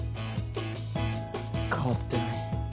変わってない。